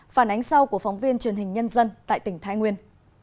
phản ánh sau của phóng viên truyền hình nhân dân tại tỉnh thái nguyên